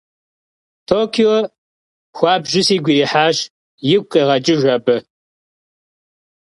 Tokio xuabju sigu yirihaş, - yigu khêğeç'ıjj abı.